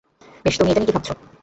বেশ, তুমি এইটা নিয়ে কি ভাবছ?